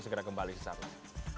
segera kembali salam